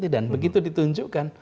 dan begitu ditunjukkan